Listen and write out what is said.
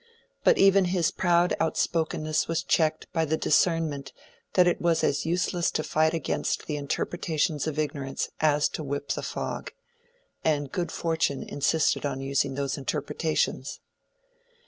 But even his proud outspokenness was checked by the discernment that it was as useless to fight against the interpretations of ignorance as to whip the fog; and "good fortune" insisted on using those interpretations.